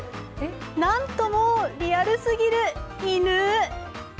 なんともリアルすぎる犬。